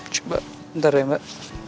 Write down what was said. coba bentar ya mbak